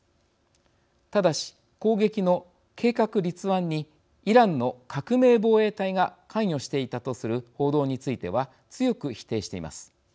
ただし攻撃の計画立案にイランの革命防衛隊が関与していたとする報道については強く否定しています。